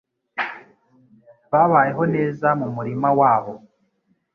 Babayeho neza mu murima wabo.